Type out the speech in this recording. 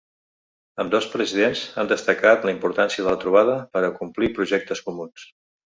Ambdós presidents han destacat la importància de la trobada per a acomplir projectes comuns.